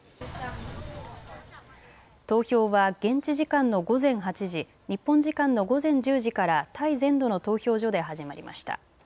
投票は現地時間の午前８時、日本時間の午前１０時からタイ全土の投票所で始まりました。